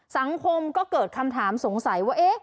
สังคมก็เกิดคำถามสงสัยว่า